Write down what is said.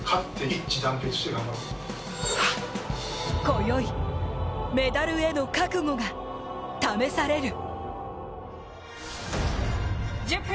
こよい、メダルへの覚悟が試される。